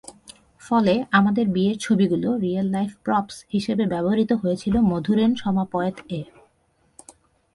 ফলে, আমাদের বিয়ের ছবিগুলো রিয়েল লাইফ প্রপস হিসেবে ব্যবহূত হয়েছিল মধুরেণ সমাপয়েৎ-এ।